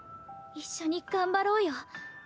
一緒に頑張ろうよ。